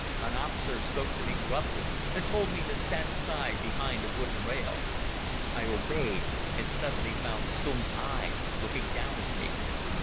An officer spoke to me gruffly and told me to stand aside behind a wooden rail. I obeyed, and suddenly found Stumm's eyes looking down at me.